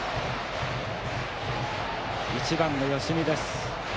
１番の吉見です。